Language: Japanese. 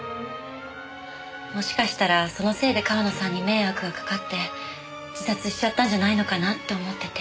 もしかしたらそのせいで川野さんに迷惑がかかって自殺しちゃったんじゃないのかなって思ってて。